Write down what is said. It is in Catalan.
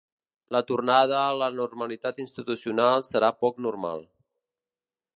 La tornada a la normalitat institucional serà poc normal.